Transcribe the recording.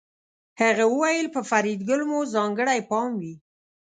هغه وویل په فریدګل مو ځانګړی پام وي